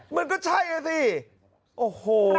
มันก็ใช่นะสิโอ้โห